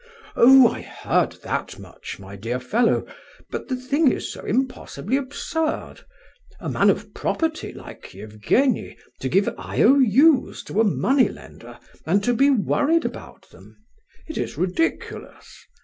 "Oh, I heard that much, my dear fellow! But the thing is so impossibly absurd! A man of property like Evgenie to give IOU's to a money lender, and to be worried about them! It is ridiculous.